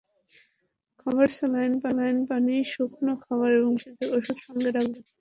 খাবার স্যালাইন, পানি, শুকনো খাবার এবং প্রয়োজনীয় কিছু ওষুধ সঙ্গে রাখবেন।